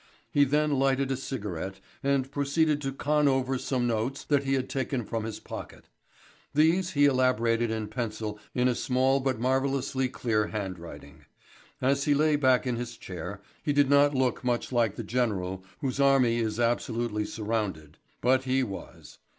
He then lighted a cigarette, and proceeded to con over some notes that he had taken from his pocket. These he elaborated in pencil in a small but marvellously clear handwriting. As he lay back in his chair he did not look much like the general whose army is absolutely surrounded, but he was.